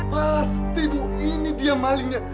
pasti bu ini dia malingnya